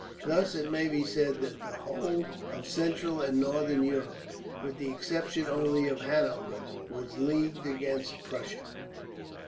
Thus it may be said that the whole of Central and Northern Europe, with the exception only of Hanover, was leagued against Prussia.